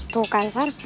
tuh kan sar